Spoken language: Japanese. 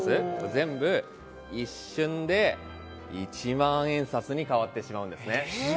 全部、一瞬で１万円札に変わってしまうんですね。